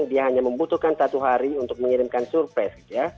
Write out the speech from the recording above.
dia hanya membutuhkan satu hari untuk mengirimkan surprise